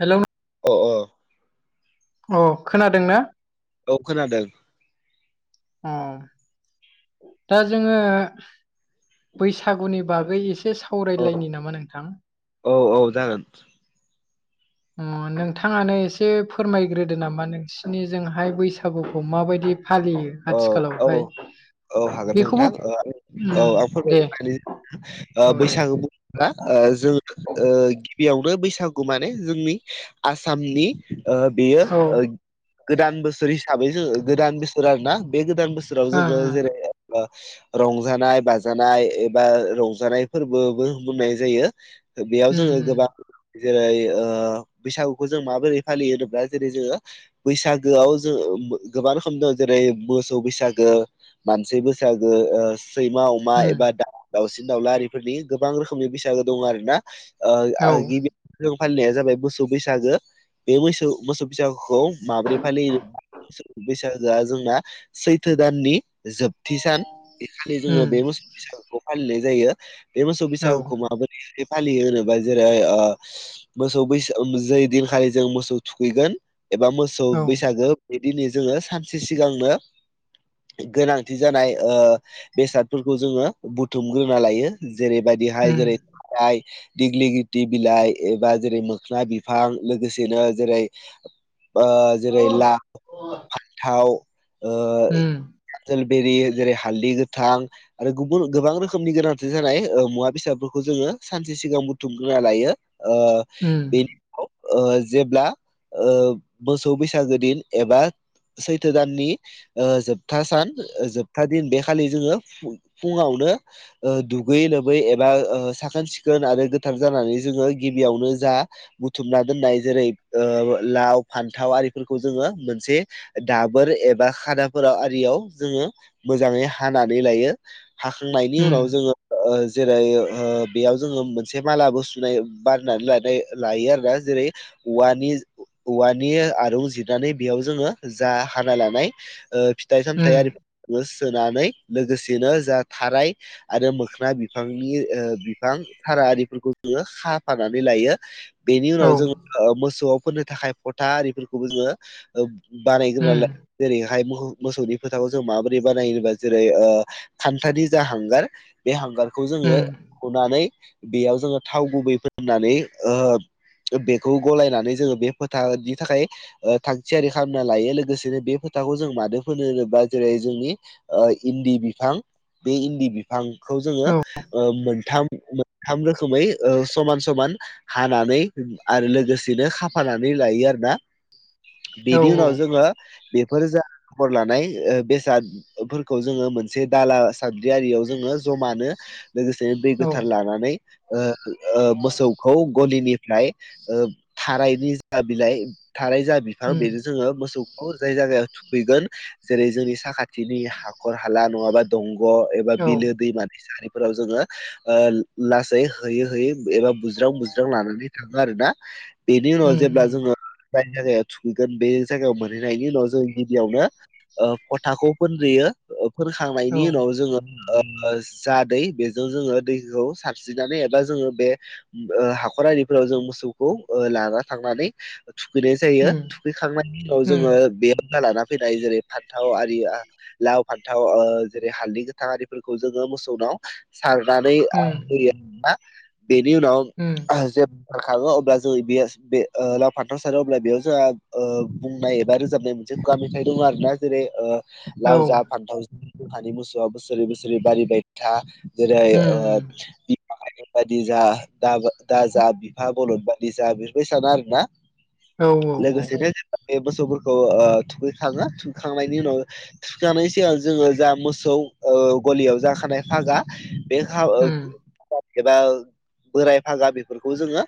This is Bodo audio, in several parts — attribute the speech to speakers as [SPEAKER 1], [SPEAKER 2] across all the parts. [SPEAKER 1] हेलौ
[SPEAKER 2] अ अ
[SPEAKER 1] अ खोनादों ना
[SPEAKER 2] औ खोनादों
[SPEAKER 1] अ दा जोङो बैसागुनि बागै एसे
[SPEAKER 2] औ
[SPEAKER 1] सावरायलायनि नामा नोंथां
[SPEAKER 2] औ औ जागोन
[SPEAKER 1] नोंथाङानो एसे फोरमायग्रोदो नामा नोंसिनिजोंहाय बैसागुखौ माबायदि फालियो
[SPEAKER 2] औ औ
[SPEAKER 1] आथिखालावहाय
[SPEAKER 2] औ हागोन
[SPEAKER 1] बेखौबो
[SPEAKER 2] नोंथां आ औ
[SPEAKER 1] उम
[SPEAKER 2] आं
[SPEAKER 1] दे
[SPEAKER 2] फोरमायबाय मलि
[SPEAKER 1] औ दे
[SPEAKER 2] बैसागो आ जोङो गिबियावनो बैसागु माने जोंनि आसामनि बेयो गोदान बोसोर हिसाबै जो गोदान बोसोर आरो ना बे गोदान बोसोर फोराव जोङो जेरै ओ रंजानाय बाजानाय एबा रंजानाय फोरबोबो बुंनाय ओ बेयाव जोङो गोबां जेरै ओ बैसागुखौ जों माबोरै फालियो होनोब्ला जेरै जोङो बैसागोआव जों ओ गोबां खोमदों जेरै मोसौ बैसागो मानसि बैसागो ओ सैमा अमा एबा दा दाउसिन दाउला आरिफोरनि गोबां रोखोमनि बैसागो दं आरो ना ओ गिबि जौ फालिनाया जाबाय बोसौ बैसागो बे मोसौ मोसौ बैसागुखौ माबोरै फालियो बैसाग जा जोंना सैथो दाननि जोबथि सान बेखलि जोङो बे मोस बैसागुखौ फालिनाय जायो बे मोसौ बैसागुखौ माबोरै फालियो होनोबा जेरै ओ मोसौ बैसो जै दिनखालि जों मोसौ थुखैगोन एबा मोस सौ
[SPEAKER 1] ओ
[SPEAKER 2] बैसागो बेदिनो जोङो सानसे सिगांनो गोनांथि जानाय ओ बेसादफोरखौ जोङो बुथुमग्रोना लायो जेरैबायदिहाय जेरै दाइ दिग्लि गिथि बिलाइ एबा जेरै मोखोनां बिफां लोगोसेनो जेरै ओ जेरै ला थाव ओ
[SPEAKER 1] उम
[SPEAKER 2] जोलबेरि जेरै हालदै गोथां आरो गुबुन गोबां रोखोमनि गोनांथि जानाय मुवा बेसादफोरखौ जोङो सानसे सिगां बुथुमगोनना लायो। ओ
[SPEAKER 1] उम
[SPEAKER 2] बिद ओ जेब्ला ओ मोसौ बैसागो दिन एबा सैथो दाननि ओ जोबथा सान ओ जोबथा दिन बे खालि जोङो फुङावनो ओ दुगैयै लोबै एबा ओ साखोन सिखोन आरो गोथार जानानै जोङो गिबियावनो जा बुथुमना दोननाय जेरै ओ लाव फान्थाव आरिफोरखौ जोङो मोनसे दाबोर एबा खानाफोराव आरियाव जोङो मोजाङै हानानै लायो। हाखांनायनि उनाव ओ जोङो जेरै ओ बेयाव जोङो मोनसे मालाबो सुनाय बारनानै लायो आरोना जेरै औवानि औवानि आरुं जिरनानै बेयाव जोङो जा हाना लानाय ओ फिथाइ सामथाय
[SPEAKER 1] उम
[SPEAKER 2] आरिफो बोस सोनानै लोगोसेनो जा थाराय आरो मोखोन बिफांनि ओ बिफां सारा आरिफोरखौ जोङो साफानानै लायो। बेनि
[SPEAKER 1] औ उम औ उम औ
[SPEAKER 2] उनाव जोङो ओ मोसौआव फोननो थाखाय फथा आरिफोरखौबो जोङो ओब
[SPEAKER 1] उम
[SPEAKER 2] बानायग्रोनालाय जेरै मोहो मोसौनि फोथाखौ जों माबोरै बानायोबा जेरै ओ खान्थानि जा हांगार बे हांगार खौ जोङो
[SPEAKER 1] उम
[SPEAKER 2] हनानै बेयाव जोङो थाव गुबै फोननानै ओ बेखौ गलायनानै जोङो बे फोथानि थाखाय ओ थाग थियारि खालामना लायो लोगोसेनो बे फोथाखौ जों मानो फोनो होनोबा जेरै जोंनि ओ इन्दि बिफां बे इन्दि बिफांखौ
[SPEAKER 1] औ
[SPEAKER 2] जोङो ओ मोनथाम मो थाम रोखोमै ओ समान समान हानानै आरो लोगोसेनो खाफानानै लायो आरो ना।
[SPEAKER 1] औ
[SPEAKER 2] बेनि उनाव जोङो बेफोरो जा खर लानाय ओ बेसाद फोरखौ जोङो मोनसे दाला साद्रि आरियाव जोङो जमानो लोगोसेनो दै
[SPEAKER 1] औ
[SPEAKER 2] गोथार लानानै ओ ओ
[SPEAKER 1] औ
[SPEAKER 2] मोसौखौ गलिनिफ्राय ओ थारायनि जा बिलाइ थाराय जा बिफां
[SPEAKER 1] उम
[SPEAKER 2] बेजों जोङो मोसौखौ जाय जायगायाव थुखैगोन जेरै जोंनि साखाथिनि हाखर हाला नङाबा दंग' एबा
[SPEAKER 1] औ
[SPEAKER 2] बिलो दैमानि सारि फोराव जोङो ओ लासै होयै होयै एबा बुज्राव बुज्राव लानानै थाङो आरोना। बेनि उनाव
[SPEAKER 1] उम
[SPEAKER 2] जेब्ला जोङो
[SPEAKER 1] उम
[SPEAKER 2] [unintelligible] थुहैगोन बे जायगायाव मोनहैनायनि उनाव जों गिबियावनो ओ फथाखौ फोनदोयो
[SPEAKER 1] औ
[SPEAKER 2] फोनखांनायनि उनाव जोङो ओ ओस जा दै बेजों जोङो दैखौ सारस्रिनानै एबा जोङो बे हाखर आरिफोराव जों मोसौखौ लाना थांनानै थुखैनाय जायो।
[SPEAKER 1] उम
[SPEAKER 2] थुखैखांनायनि उनाव
[SPEAKER 1] उम
[SPEAKER 2] जोङो बे बा लाना फैनाय जेरै फान्थाव आरि लाव
[SPEAKER 1] [inaudible]
[SPEAKER 2] होयो बेनि उनाव
[SPEAKER 1] उम
[SPEAKER 2] जे बोखाङो अब्ला जो [unintelligible] लाव फाथाव सारो अब्ला बेयाव जोंहा ओ बुंनाय एबा रोजाबनाय मोनसे खुगा मेथाइ दङ आरो ना जेरै
[SPEAKER 1] औ
[SPEAKER 2] लाव जा फान्थाव गोखानि मोसौआ बोसोरै बोसोरै बारिबाया था जेरै
[SPEAKER 1] उम
[SPEAKER 2] ओ
[SPEAKER 1] उम
[SPEAKER 2] बादि जा दा जा बिफा बलद बादि जा बेफोरबायदि साना आरोना
[SPEAKER 1] औ औ औ
[SPEAKER 2] लोगोसेनो जों बे मोसौफोरखौ ओ थुखैखाङो थुखखांनायनि उनाव थुखैखांनाय सिगां जोङो जा मोसौ ओ गलियाव जाखानाय फागा [inaudible]
[SPEAKER 1] उम
[SPEAKER 2] बोराय फागा बेफोरखौ जोङो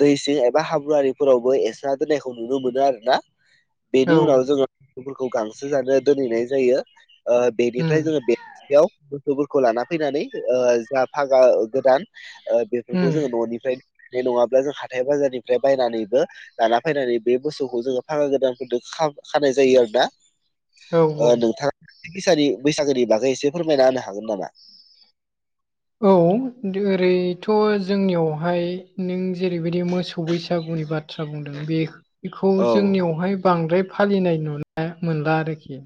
[SPEAKER 2] दै सिं एबा हाब्रुवरिफोरावबो एसे होनायखौ नुनो मोनो आरोना बेनि
[SPEAKER 1] औ
[SPEAKER 2] उनाव
[SPEAKER 1] उम
[SPEAKER 2] जोङो बेफोरखौ गांसो जानो दोनहैनाय जायो बेनिफ्राय जोङो बे याव मोसौफोरखौ लाना फैनानै जा फागा गोदान बेफोरखौ
[SPEAKER 1] उम
[SPEAKER 2] जोङो न'निफ्रायनाय नङाब्ला जों हाथाय बाजारनिफ्राय बायनानैबो लाना फैनानै बे मोसौखौ जोङो फागा गोदानफोरजों खानाय जायो आरो ना।
[SPEAKER 1] औ औ
[SPEAKER 2] नोंथाङ बैसागोनि बागै एसे फोरमायना होनो हागोन नामा?
[SPEAKER 1] औ ओरैथ' जोंनियावहाय नों जेरैबायदि मोसौ बैसागु बिबाद बाथ्रा बुंदों बेखौ
[SPEAKER 2] औ
[SPEAKER 1] जोंनियावहाय बांद्राय फालिनाय नुनाय मोनला आरोखि।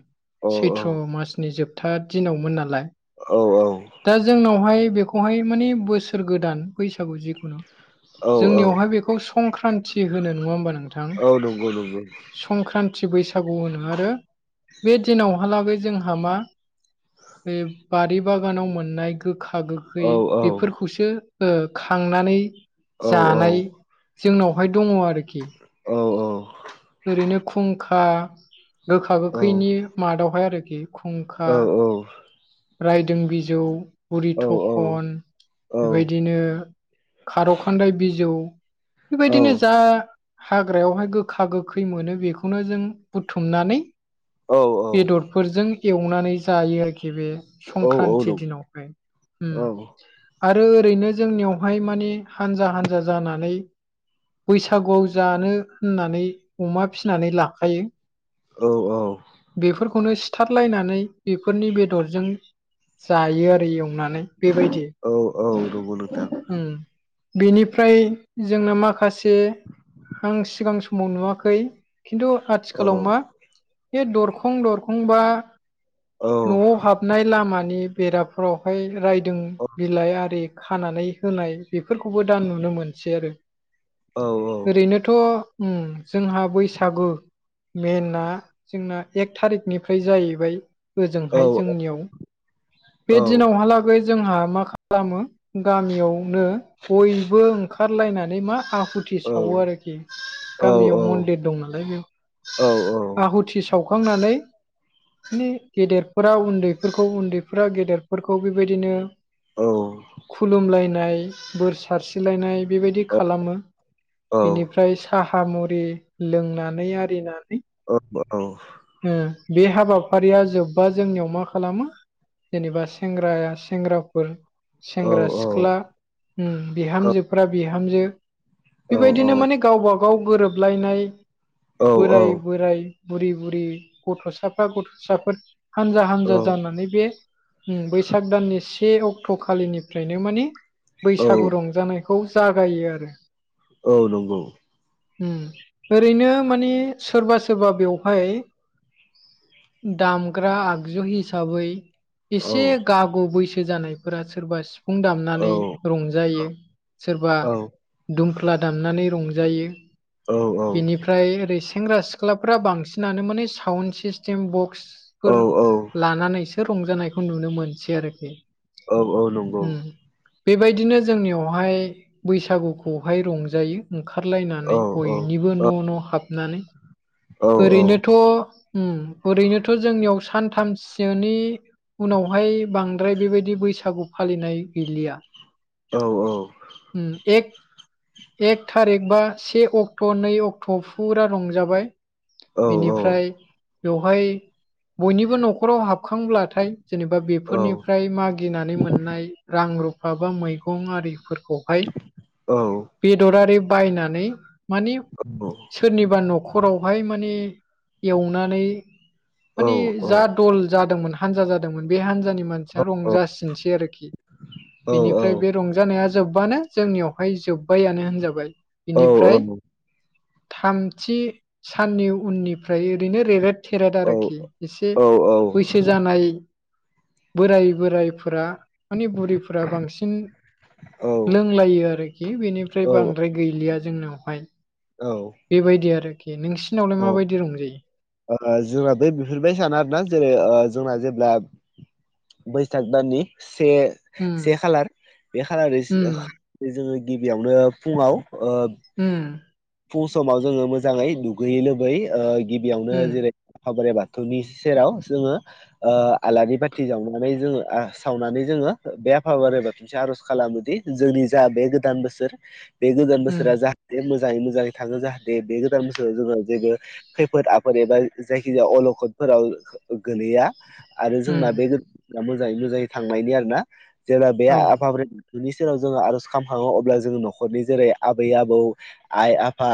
[SPEAKER 2] औ
[SPEAKER 1] सैथ्र' मासनि जोबथा दिनावमोन नालाय।
[SPEAKER 2] औ औ।
[SPEAKER 1] दा जोंनावहाय बेखौहाय माने बोसोर गोदान बैसागु जिखुनु
[SPEAKER 2] औ औ
[SPEAKER 1] जोंनियावहाय बेखौ संक्रान्ति होनो नङा होमबा नङा
[SPEAKER 2] औ नंगौ नंगौ
[SPEAKER 1] [inaudible] संक्रान्ति बैसागु होनो आरो बे दिनावहालागै जोंहा मा बे बारि बागानाव मोननाय गोखा गोखै
[SPEAKER 2] औ औ
[SPEAKER 1] बेफोरखौसो खांनानै
[SPEAKER 2] औ औ
[SPEAKER 1] जानाय जोंनावहाय दङ आरोखि
[SPEAKER 2] औ औ
[SPEAKER 1] ओरैनो खुंखा गोखा गोखैनि मादावहाय आरोखि खुंखा
[SPEAKER 2] औ
[SPEAKER 1] रायदों बिजौ उरि
[SPEAKER 2] औ
[SPEAKER 1] थक
[SPEAKER 2] औ
[SPEAKER 1] खन
[SPEAKER 2] औ
[SPEAKER 1] बेबायदिनो खारौ खान्दाय बिजौ बेबायदिनो जा हाग्रायावहाय गोखा गोखै मोनो बेखौनो जों बुथुमनानै
[SPEAKER 2] औ औ।
[SPEAKER 1] बेदरफोरजों एवनानै जायो आरोखि बे संक्रान्ति दिनावहाय
[SPEAKER 2] औ
[SPEAKER 1] आरो ओरैनो जोंनियावहाय मानिे हानजा हानजा जानानै बैसागुआव जानो होननानै अमा फिनानै लाखायो।
[SPEAKER 2] औ औ।
[SPEAKER 1] बेफोरखौनो सिथारलायनानै बेफोरनि बेदरजों जायो आरो इयाव हमनानै बेबायदि
[SPEAKER 2] औ औ नंगौ नोंथां।
[SPEAKER 1] बेनिफ्राय जोंना माखासे आं सिगां समाव नुवाखै खिन्थु
[SPEAKER 2] औ
[SPEAKER 1] आथिखालाव मा बे दरखं दरखंबा
[SPEAKER 2] औ
[SPEAKER 1] न'आव हाबनाय लामानि बेराफोरावहाय रायदों बिलाइ आ रि खानानै होनाय बेफोरखौबो दा नुनो मोनसै आरो
[SPEAKER 2] औ
[SPEAKER 1] ओरैनो थ' जोंहा बैसागु मेना जोंना एक थारिकनिफ्राय जाहैबाय
[SPEAKER 2] औ
[SPEAKER 1] ओजोंहाय जोंनियाव बे
[SPEAKER 2] औ औ
[SPEAKER 1] दिनावहालागै जोंहा मा खालामो गामियावनो बयबो ओंखारलायनानै मा आखु थि सावो
[SPEAKER 2] औ
[SPEAKER 1] आरोखि
[SPEAKER 2] औ
[SPEAKER 1] गामियाव मन्दिर दं नालाय बेयाव
[SPEAKER 2] औ औ
[SPEAKER 1] आहुथि सावखांनानै नि गेदेरफोरा उन्दैफोरखौ उन्दैफोरा गेदेर फोरखौ बेबायदिनो खुलुमलायनाय बोर सारस्रिलायनाय बेबायदि
[SPEAKER 2] औ
[SPEAKER 1] खालामो,
[SPEAKER 2] औ
[SPEAKER 1] बेनिफ्राय ओमफ्राय साहा मुरि लोंनानै आरिनानै
[SPEAKER 2] औ औ।
[SPEAKER 1] ओ बे हाबाफारिया जोब्बा जोंनियाव मा खालामो जेनेबा सेंग्राया सेंग्राफोर सेंग्रा सिख्ला उम बिहामजोफ्रा बिहामजो बेबायदिनो माने गावबा गाव गोरोबलायनाय बोराय बोराय बुरि बुरि गथ'साफ्रा गथ'साफोर हानजा हानजा जानानै बे उम बैसाग दाननि से अक्ट' खालिनिफ्रायनो माने बैसागु रंजानायखौ खौ जागायो आरो
[SPEAKER 2] औ नंगौ
[SPEAKER 1] उम ओरैनो माने सोरबा सोरबा बेयव- हाय दामग्रा आगजु हिसाबै
[SPEAKER 2] औ
[SPEAKER 1] एसे गागु बैसो जानायफोरा सोरबा सिफुं
[SPEAKER 2] औ
[SPEAKER 1] दामनानै रंजायो सोरबा दुमफ्ला दामनानै रंजायो बेनिफ्रा- फ्राय ओरै सेंग्रा सिख्लाफ्रा बांसिनानो माने साउन्द सिस्टेम
[SPEAKER 2] औ
[SPEAKER 1] बक्सफोर लानानैसो रंजानायखौ नुनो मोनसै आरोखि
[SPEAKER 2] औ औ नंगौ
[SPEAKER 1] उम बेबायदिनो जोंनियावहाय बैसागुखौहाय रंजायो
[SPEAKER 2] औ
[SPEAKER 1] ओंखारलायनानै बयनिबो न' न' हाबनानै
[SPEAKER 2] औ
[SPEAKER 1] ओरैनोथ' उम ओरैनोथ' जोंनियाव सानथामसोनि उनावहाय बांद्राय बेबादि बैसागु फालिनाय गैलिया
[SPEAKER 2] औ औ
[SPEAKER 1] उम एक एक थारिक बा से अक्ट' नै अक्ट' फुरा रंजाबाय
[SPEAKER 2] औ
[SPEAKER 1] बेनिफ्राय बेवहाय बयनिबो न'खराव हाबखांब्लाथाय जेनेबा
[SPEAKER 2] औ औ
[SPEAKER 1] बेफोरनिफ्राय मागिनानै मोननाय रां रुफा बा मैगं आरिफोरखौ हाय
[SPEAKER 2] जोंनाबो
[SPEAKER 1] बेदरारि बायनानै माने सोरनिबा न'खराव हाय माने एवनानै माने जा दल जादोंमोन हानजा जादोंमोन बे हानजानि फ्रा मानसिया रंजासिनसै आरोखि बेनिफ्राय बे रंजानाया जोब्बानो जोंनियावहाय जोब्बायानो होनजाबाय बिनिफ्राय थामथि साननि उननिफ्राय ओरैनो रेगेट थेरेद आरोखि एसे बैसो जानाय बोराय बोरायफोरा माने बुरैफोरा बांसिन लोंलायो आरोखि बेनिफ्राय बांद्राय गैलिया जोंनावहाय
[SPEAKER 2] औ
[SPEAKER 1] बेबायदि आरोखि नोंसिनावलाय माबायदि रंजायो
[SPEAKER 2] ओ जोंना बै बेफोरबायदि साना आरोना जेरै जोंना जेब्ला बैसाग दाननि से
[SPEAKER 1] उम
[SPEAKER 2] से खालार बे खालारनिस
[SPEAKER 1] उम
[SPEAKER 2] जोङो गिबियावनो फुङाव ओ
[SPEAKER 1] उम
[SPEAKER 2] फुं समाव जोङो मोजाङै दुगैयै लोबै ओ गिबियावनो
[SPEAKER 1] उम
[SPEAKER 2] जेरै आफा-बोराइ बाथौनि सेराव जोङो ओ आलारि बाथि जावनानै जोङो सावनानै जोङो बे आफा-बोराइ बाथौनिसिम आर'ज खालामोदि जोंनि जा बे गोदान बोसोर बे गोदान
[SPEAKER 1] उम
[SPEAKER 2] बोसोरा जाहाथे मोजाङै-मोजाङै थाङो जाहाथे बे गोदान बोसोराव जोङो जेबो खै फोद-आफोद एबा जायखिजाया अलखदफोराव गोलैया आरो जोंना
[SPEAKER 1] उम
[SPEAKER 2] बे मोजाङै-मोजाङै थांनायनि आरो ना जेब्ला बे
[SPEAKER 1] उम औ
[SPEAKER 2] आफा-बोराइ बिनि सेराव जोङो आर'ज खालामखाङो अब्ला जोङो न'खरनि जेरै आबै-आबौ आइ-आफा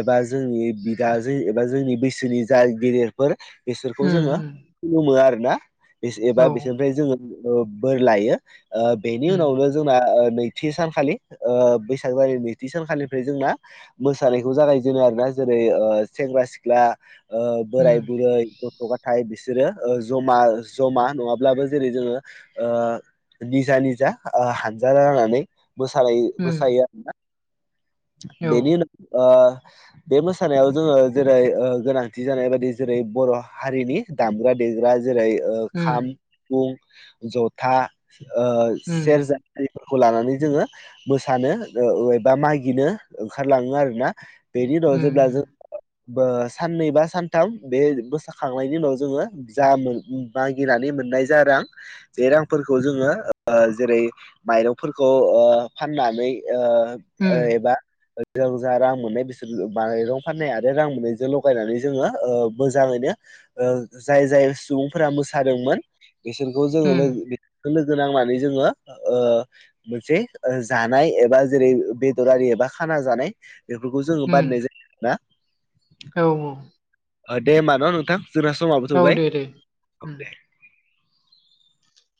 [SPEAKER 2] एबा जोंनि बिदा जों एबा जोंनि बैसोनि जा गेदेरफोर बिसोरखौ
[SPEAKER 1] उम
[SPEAKER 2] जोङो
[SPEAKER 1] उम
[SPEAKER 2] खुलुमो आरो ना? बि एबा
[SPEAKER 1] औ
[SPEAKER 2] बिसोरनिफ्राय जोङो बोर लायो बेनि
[SPEAKER 1] उम
[SPEAKER 2] उनावनो जों जोंना ओ नैथि सानखालि ओ बैसाग दाननि नैथि सानखालिनिफ्राय जोंना मोसानायखौ जागायजेनो आरो ना जेरै ओ सेंग्रा-सिख्ला,
[SPEAKER 1] उम
[SPEAKER 2] बोराय-बुरै गथ' गथाय बिसोरो ओ जमा-जमा नङाब्लाबो जेरै जोङो ओ निजा-निजा ओ हानजा रानानै मोसानाय
[SPEAKER 1] उम
[SPEAKER 2] मोसायो आरो ना?
[SPEAKER 1] औ
[SPEAKER 2] बेनि उनाव ओ बे मोसानायाव जोङो जेरै ओं गोनांथि जानाय बायदि जेरै बर' हारिनि दामग्रा देग्रा जेरै ओ
[SPEAKER 1] उम
[SPEAKER 2] खाम, सिफुं, जथा ओ
[SPEAKER 1] उम
[SPEAKER 2] सेरजा हारिफोरखौ लानानै जोङो मोसानो एबा मागिनो ओंखारलाङो आरो ना? बेनि उनाव
[SPEAKER 1] उम
[SPEAKER 2] जेब्ला जों साननै बा सानथाम बे बोसाखांनायनि उनाव जोङो जा मोन मागिनानै मोननाय जा रां बे रांफोरखौ जोङो जेरै माइरंफोरखौ ओ फाननानै ओ
[SPEAKER 1] उम
[SPEAKER 2] ओ एबा जों जा रां मोननाय बिसोर माइरं फाननाय आरो रां मोननाय जोंल' लगायनानै जोङो ओ मोजाङैनो ओ जाय-जाय सुबुंफोरा मोसादोंमोन बिसोरखौ जोङो
[SPEAKER 1] उम
[SPEAKER 2] बि लोगो नांनानै जोङो ओ मोनसे ओ जानाय एबा जेरै बेदरारि एबा खाना जानाय बेफोरखौ जोङो बानायनाय
[SPEAKER 1] उम
[SPEAKER 2] जायो ना?
[SPEAKER 1] औ
[SPEAKER 2] दे होमबा ना नोंथां। जोंना समाबो
[SPEAKER 1] औ
[SPEAKER 2] थौबाय
[SPEAKER 1] दे दे
[SPEAKER 2] औ दे।
[SPEAKER 1] ओम